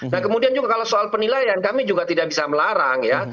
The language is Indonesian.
nah kemudian juga kalau soal penilaian kami juga tidak bisa melarang ya